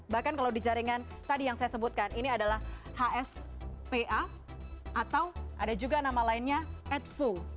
bahkan kalau di jaringan tadi yang saya sebutkan ini adalah hspa atau ada juga nama lainnya advo